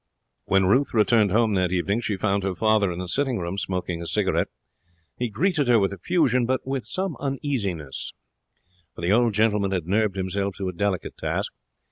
When Ruth returned home that evening she found her father in the sitting room, smoking a cigarette. He greeted her with effusion, but with some uneasiness for the old gentleman had nerved himself to a delicate task.